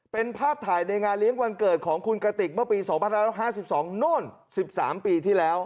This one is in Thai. เป็นภาพถ่ายในงานเลี้ยงวันเกิดของคุณกะติกเมื่อปีสองพันร้อยแล้วห้าสิบสองโน่นสิบสามปีที่แล้ว